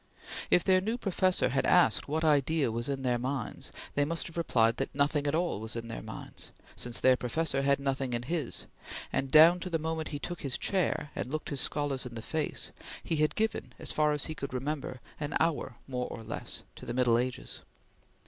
If their new professor had asked what idea was in their minds, they must have replied that nothing at all was in their minds, since their professor had nothing in his, and down to the moment he took his chair and looked his scholars in the face, he had given, as far as he could remember, an hour, more or less, to the Middle Ages.